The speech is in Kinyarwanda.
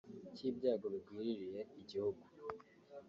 cy’ibyago bigwiririye igihugu